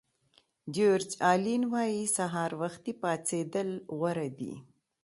جیورج الین وایي سهار وختي پاڅېدل غوره دي.